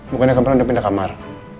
bukannya kemarin udah pindah kamar